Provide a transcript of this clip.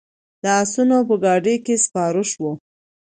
د آسونو په ګاډیو کې سپاره شوو.